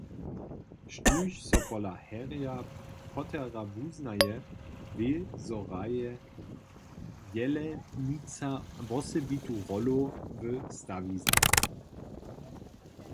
Štóž so pola Harryja Pottera wuznaje, wě, zo hraje jelenica wosebitu rolu w stawiznje.